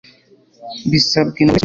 Bisabwe na buri wese ubifitemo